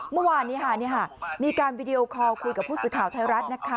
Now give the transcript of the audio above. เมื่อวานนี้มีการวิดีโอคอลคุยกับผู้สื่อข่าวไทยรัฐนะคะ